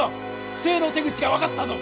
不正の手口が分かったぞ！